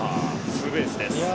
ツーベースです。